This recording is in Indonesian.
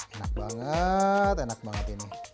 enak banget enak banget ini